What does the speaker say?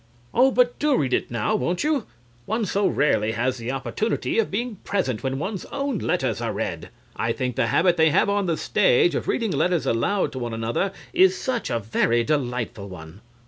Oh, but do read it now, won't you? (To MR. CRAWSHAW) One so rarely has an opportunity of being present when one's own letters are read. I think the habit they have on the stage of reading letters aloud to other is such a very delightful one.